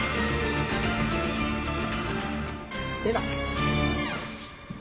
では。